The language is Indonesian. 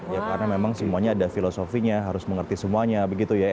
ya karena memang semuanya ada filosofinya harus mengerti semuanya begitu ya